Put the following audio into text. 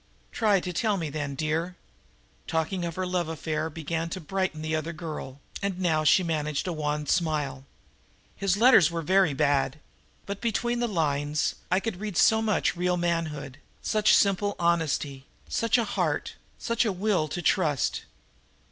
"Try to tell me then, dear." Talking of her love affair began to brighten the other girl, and now she managed a wan smile. "His letters were very bad. But, between the lines, I could read so much real manhood, such simple honesty, such a heart, such a will to trust!